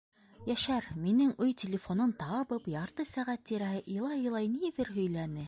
Йәшәр, минең өй телефонын табып, ярты сәғәт тирәһе илай-илай ниҙер һөйләне.